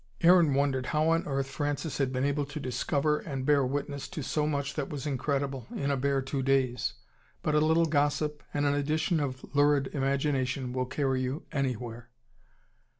Aaron wondered how on earth Francis had been able to discover and bear witness to so much that was incredible, in a bare two days. But a little gossip, and an addition of lurid imagination will carry you anywhere.